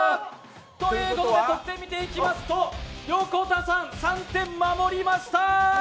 ということで得点見ていきますと横田さん、３点守りました！